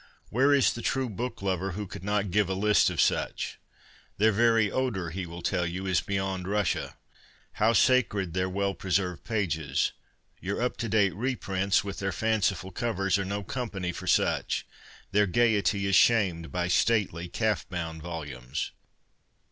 Where is the true book lover who could not give a list of such ?' Their very odour,' he will tell you, ' is beyond Russia.' How sacred their well preserved pages ! Your up to date reprints, with their fanciful covers, are no company for such. Their gaiety is shamed by stately calf bound volumes.